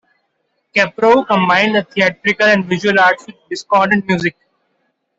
Kaprow combined the theatrical and visual arts with discordant music.